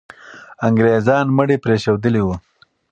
انګریزان مړي پرېښودلي وو.